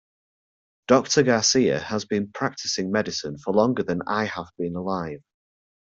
Doctor Garcia has been practicing medicine for longer than I have been alive.